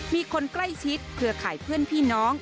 มีคนใกล้ชิดเครือข่ายเพื่อนพี่น้อง